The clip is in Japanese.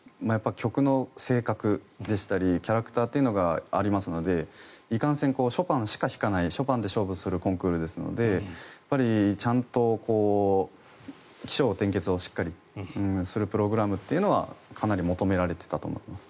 曲の性格でしたりキャラクターというのがありますのでいかんせんショパンしか弾かないショパンで勝負するコンクールですのでちゃんと起承転結をしっかりするプログラムっていうのはかなり求められていたと思います。